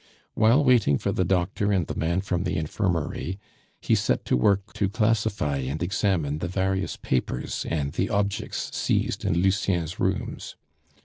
While waiting for the doctor and the man from the infirmary, he set to work to classify and examine the various papers and the objects seized in Lucien's rooms.